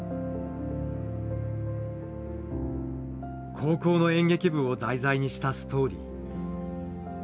高校の演劇部を題材にしたストーリー。